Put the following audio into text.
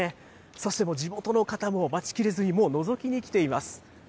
そしてもう、地元の方も待ちきれずにもう、のぞきに来ています。